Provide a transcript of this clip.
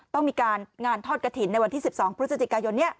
ต้องมีการงานทอดกระถิ่นในวันที่๑๒พฤศจิกายน